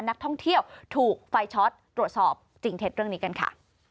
นักท่องเที่ยวถูกไฟช็อตตรวจสอบจริงเท็จเรื่องนี้กันค่ะ